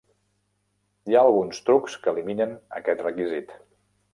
Hi ha alguns trucs que eliminen aquest requisit.